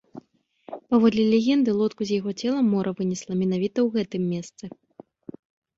Паводле легенды, лодку з яго целам мора вынесла менавіта ў гэтым месцы.